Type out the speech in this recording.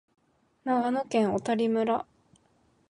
長野県小谷村